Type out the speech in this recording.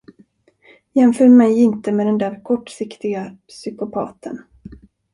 Jämför mig inte med den där kortsiktiga psykopaten.